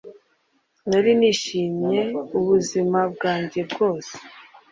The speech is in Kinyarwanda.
nari nishimye ubuzima bwanjye bwose